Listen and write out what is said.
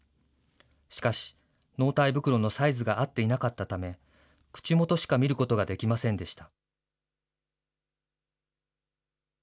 しかし、納体袋のサイズが合っていなかったため、口元しか見ることができませんでした。